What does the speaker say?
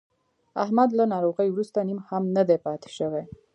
احمد له ناروغۍ ورسته نیم هم نه دی پاتې شوی.